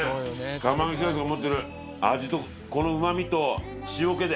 釜揚げしらすが持ってる味とこのうまみと塩気で。